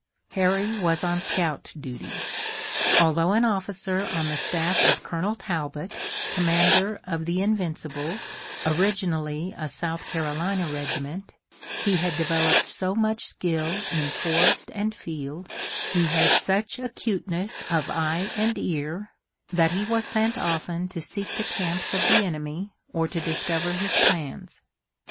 Harry was on scout duty. Although an officer on the staff of Colonel Talbot, commander of the Invincibles, originally a South Carolina regiment, he had developed so much skill in forest and field, he had such acuteness of eye and ear, that he was sent often to seek the camps of the enemy or to discover his plans.